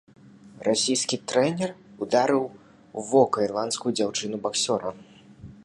Расійскі трэнер ударыў у вока ірландскую дзяўчыну-баксёра.